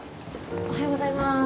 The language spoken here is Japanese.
おはようございます。